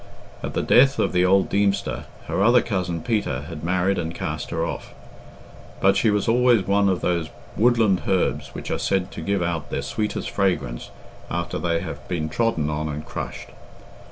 At the death of the old Deemster, her other cousin, Peter, had married and cast her off. But she was always one of those woodland herbs which are said to give out their sweetest fragrance after they have been trodden on and crushed.